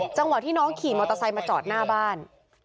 จังหวะที่น้องขี่มอเตอร์ไซค์มาจอดหน้าบ้าน